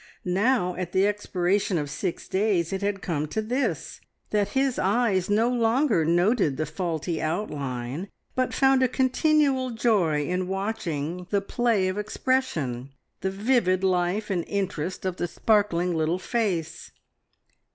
Now, at the expiration of six days it had come to this, that his eyes no longer noted the faulty outline, but found a continual joy in watching the play of expression, the vivid life and interest of the sparkling little face.